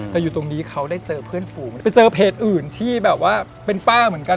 แต่อยู่ตรงนี้เขาได้เจอเพื่อนฝูงไหมไปเจอเพจอื่นที่แบบว่าเป็นป้าเหมือนกัน